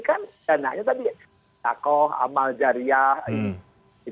kan dana nya tadi